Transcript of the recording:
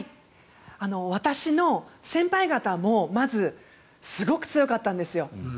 私の先輩方もまず、すごく強かったんですよ。